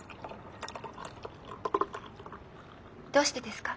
どうしてですか？